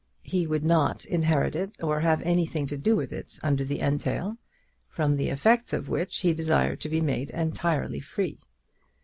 He would not inherit it, or have anything to do with it under the entail, from the effects of which he desired to be made entirely free.